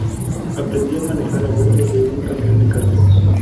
Aprendió a manejar a bordo de un camión de carga.